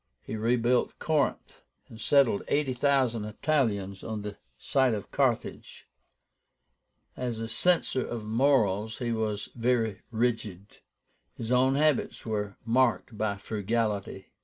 He rebuilt Corinth, and settled eighty thousand Italians on the site of Carthage. As a censor of morals he was very rigid. His own habits were marked by frugality.